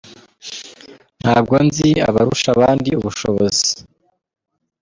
Ntabwo nzi abarusha abandi ubushobozi